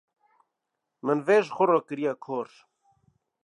min vê ji xwe re kirîye kar.